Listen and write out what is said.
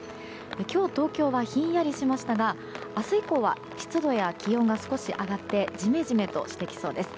今日、東京はひんやりしましたが明日以降は湿度や気温が少し上がってジメジメとしてきそうです。